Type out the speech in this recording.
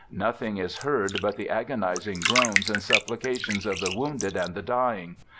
Nothing is heard but the agonizing groans and supplica tions of the wounded and the dying.